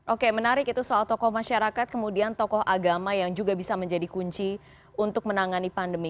oke menarik itu soal tokoh masyarakat kemudian tokoh agama yang juga bisa menjadi kunci untuk menangani pandemi